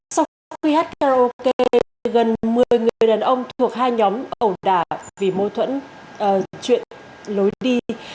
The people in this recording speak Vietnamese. sau khi hát karaoke gần một mươi người đàn ông thuộc hai nhóm ẩu đả vì mâu thuẫn chuyện lối đi